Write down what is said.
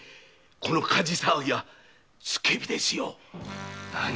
この火事騒ぎはつけ火ですよ。